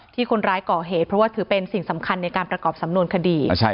คนร้ายก่อเหตุเพราะว่าถือเป็นสิ่งสำคัญในการประกอบสำนวนคดี